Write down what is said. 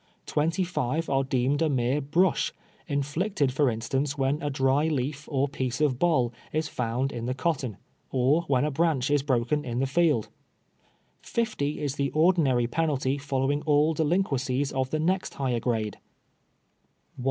Twenty five are deemed a mere brush, inflicted, for instance, when a dry leaf or piece of boll is found in the cotton, or when a branch is broken in the field ; fifty is the ordinary penalty fol lowing all delinquencies of the next higher grade ; one ISO TWELVE YEAR3 A SLAVE.